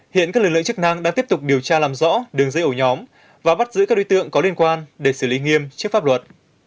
hiện các lực lượng chức năng đang tiếp tục điều tra làm rõ đường dây ổ nhóm và bắt giữ các đối tượng có liên quan để xử lý nghiêm trước pháp luật